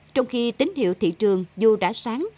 trong khi tín hiệu thị trường dù đã sáng